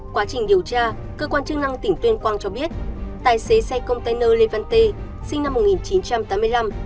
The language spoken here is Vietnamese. quá trình điều tra cơ quan chức năng tỉnh tuyên quang cho biết tài xế xe container levante sinh năm một nghìn chín trăm tám mươi năm